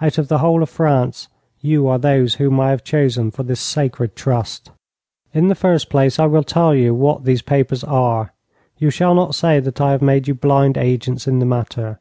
Out of the whole of France, you are those whom I have chosen for this sacred trust. 'In the first place, I will tell you what these papers are. You shall not say that I have made you blind agents in the matter.